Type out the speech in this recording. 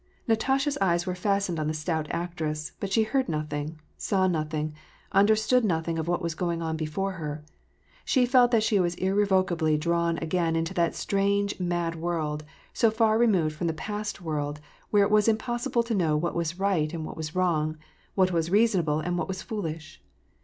Natasha's eyes were fastened on the stout actress, but she heard nothing, saw nothing, understood nothing of what was going on before her ; she felt that she was irrevocably drawn again into that strange, mad world, so far removed £rom the past world, where it was impossible to know what was right and what was wrong, what was reasonable and what was foolish.